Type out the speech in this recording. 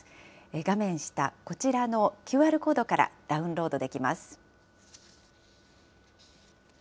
画面下、こちらのＱＲコードからダウンロードできます。